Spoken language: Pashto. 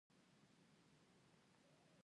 صداقت ښه دی.